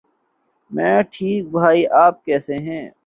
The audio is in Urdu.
میں ٹھیک بھائی آپ کیسے ہیں؟